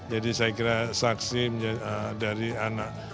jadi saya kira saksi dari anak